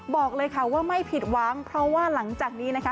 บอกเลยค่ะว่าไม่ผิดหวังเพราะว่าหลังจากนี้นะคะ